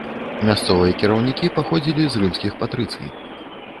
Мясцовыя кіраўнікі паходзілі з рымскіх патрыцый.